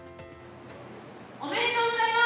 おめでとうございます！